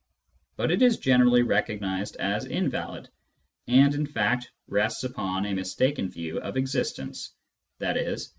But it is generally recognised as invalid, and in fact rests upon a mistaken view of existence — i.e.